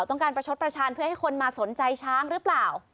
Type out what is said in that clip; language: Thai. ต้องการประชดประชาญเพื่อให้คนมาสนใจช้างหรือเปล่า